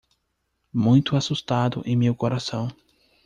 Muito assustado em meu coração